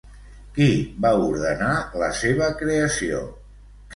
Qui va ordenar la seva creació?